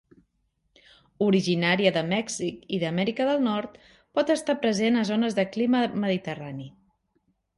Originària de Mèxic i d'Amèrica del Nord pot estar present a zones de clima mediterrani.